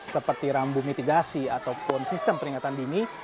seperti rambu mitigasi ataupun sistem peringatan dini